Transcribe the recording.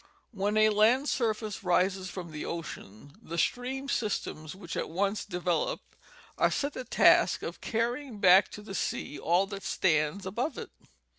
When a land surface rises from the ocean the stream systems ■which at once develope, are set the task of carrying back to the sea all that stands above it.